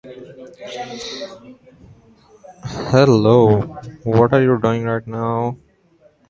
These units are managed within what is known as the "Managers Box".